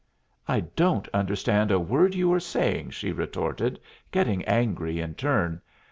"I don't understand a word you are saying," she retorted, getting angry in turn.